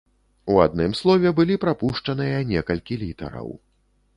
У адным слове былі прапушчаныя некалькі літараў.